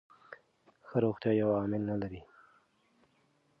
ښه روغتیا یو عامل نه لري.